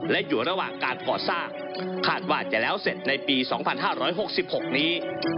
และอยู่ระหว่างการก่อสร้างคาดว่าจะแล้วเสร็จในปี๒๕๖๖นี้